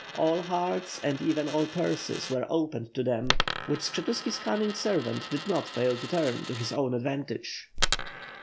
All hearts and, even all purses, were opened to them; which Skshetuski's cunning servant did not fail to turn to his own advantage.